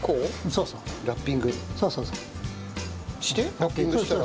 ラッピングしたら？